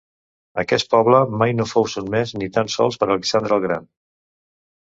Aquest poble mai no fou sotmès ni tan sols per Alexandre el Gran.